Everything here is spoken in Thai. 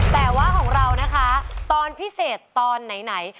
แต่ว่าของเรานะคะตอนพิเศษตอนไหน